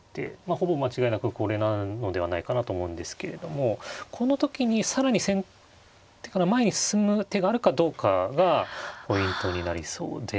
ほぼ間違いなくこれなのではないかなと思うんですけれどもこの時に更に先手から前に進む手があるかどうかがポイントになりそうで。